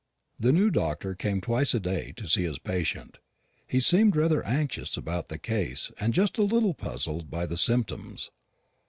_The new doctor came twice a day to see his patient. He seemed rather anxious about the case, and just a little puzzled by the symptoms.